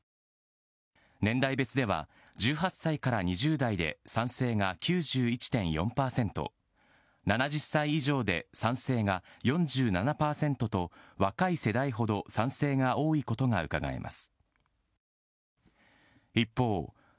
年代別では１８歳から２０代で賛成が９１．４％７０歳以上で賛成が４７％と若い世代ほど賛成が多いことがうかがえます。